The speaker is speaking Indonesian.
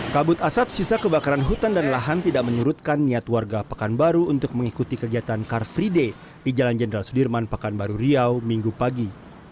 kabut asap sisa kebakaran hutan dan lahan tidak menyurutkan niat warga pekanbaru untuk mengikuti kegiatan car free day di jalan jenderal sudirman pekanbaru riau minggu pagi